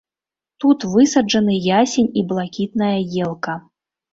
Тут высаджаны ясень і блакітная елка.